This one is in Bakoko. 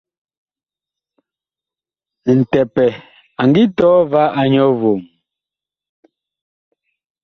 Ntɛpɛ a ngi tɔɔ va a nyɔ vom.